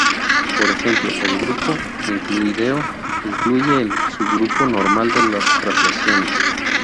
Por ejemplo, el grupo euclídeo incluye el subgrupo normal de las traslaciones.